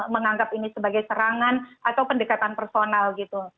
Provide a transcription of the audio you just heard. menganggap ini sebagai serangan atau pendekatan personal gitu